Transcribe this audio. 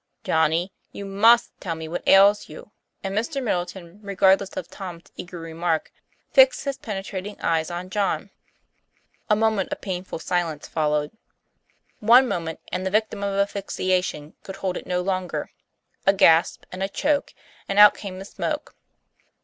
"Johnny, you must tell me what ails you;" and Mr. Middleton, regardless of Tom's eager remark, fixed his penetrating eyes on John. A moment of painful silence followed. One moment and the victim of asphyxiation could hold in no longer a gasp and a choke, and out came the smoke.